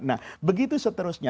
nah begitu seterusnya